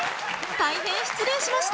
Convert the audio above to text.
大変失礼しました！